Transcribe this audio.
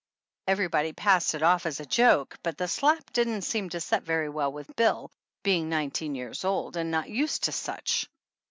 Everybody passed it off as a joke, but the slap didn't seem to set very well with Bill, being nineteen years old and not used to such.